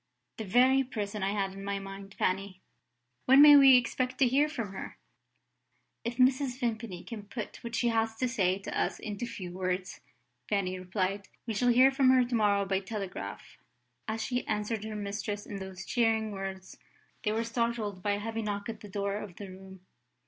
"The very person I had in my mind, Fanny! When may we expect to hear from her?" "If Mrs. Vimpany can put what she has to say to us into few words," Fanny replied, "we shall hear from her to morrow by telegraph." As she answered her mistress in those cheering words, they were startled by a heavy knock at the door of the room.